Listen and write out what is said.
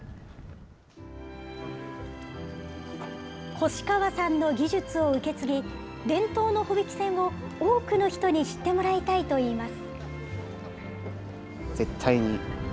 越川さんの技術を受け継ぎ、伝統の帆引き船を多くの人に知ってもらいたいといいます。